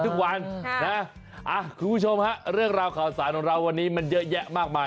ทุกวันนะคุณผู้ชมฮะเรื่องราวข่าวสารของเราวันนี้มันเยอะแยะมากมาย